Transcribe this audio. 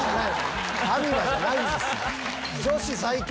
アミバじゃないんですよ。